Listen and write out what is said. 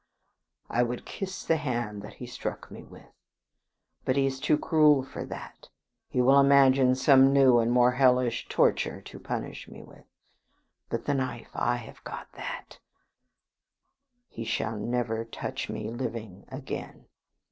I would kiss the hand that he struck me with; but he is too cruel for that. He will imagine some new and more hellish torture to punish me with. But the knife! I have got that; he shall never touch me living again.